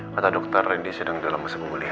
mata dokter rendy sedang dalam masa pemulihan